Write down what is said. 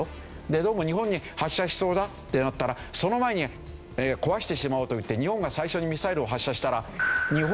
どうも日本に発射しそうだってなったらその前に壊してしまおうといって日本が最初にミサイルを発射したら。